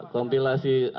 sangat luar biasa sih